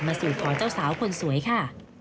สู่ขอเจ้าสาวคนสวยค่ะ